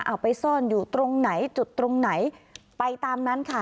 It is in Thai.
เอาไปซ่อนอยู่ตรงไหนจุดตรงไหนไปตามนั้นค่ะ